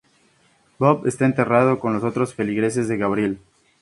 Bob está enterrado con los otros feligreses de Gabriel.